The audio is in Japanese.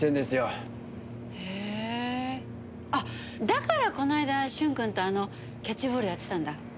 だからこの間駿君とキャッチボールやってたんだ。